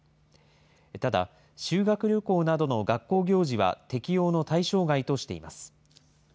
ただ、修学旅行などの学校行事は適用の対象外としています。